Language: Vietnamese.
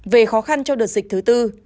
về khó khăn trong đợt dịch thứ tư